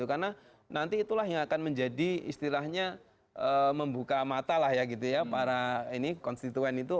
karena nanti itulah yang akan menjadi istilahnya membuka mata lah ya gitu ya para ini konstituen itu